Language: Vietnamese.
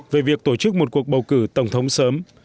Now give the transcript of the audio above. về việc tổ chức một cuộc bầu cử tổng thống sớm